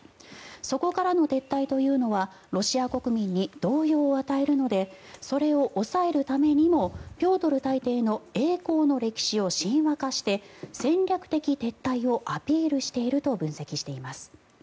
そこからの撤退というのはロシア国民に動揺を与えるのでそれを抑えるためにもピョートル大帝の栄光の歴史を神話化して戦略的撤退をアピールしていると分析しています。